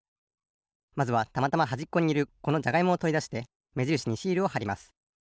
まずはたまたまはじっこにいるこのじゃがいもをとりだしてめじるしにシールをはります。